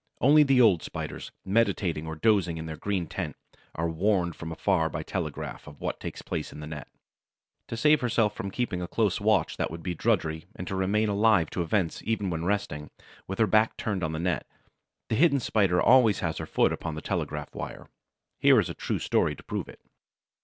Only the old Spiders, meditating or dozing in their green tent, are warned from afar, by telegraph, of what takes place on the net. To save herself from keeping a close watch that would be drudgery and to remain alive to events even when resting, with her back turned on the net, the hidden Spider always has her foot upon the telegraph wire. Here is a true story to prove it.